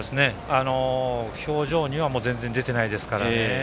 表情には全然出ていませんからね。